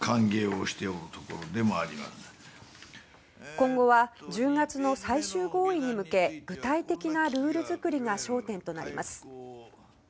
今後は１０月の最終合意に向け具体的なルールづくりが焦点となります。